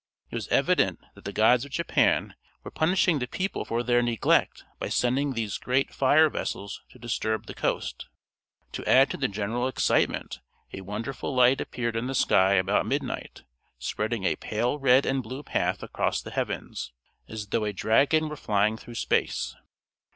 It was evident that the gods of Japan were punishing the people for their neglect by sending these great fire vessels to disturb the coast. To add to the general excitement a wonderful light appeared in the sky about midnight, spreading a pale red and blue path across the heavens, as though a dragon were flying through space.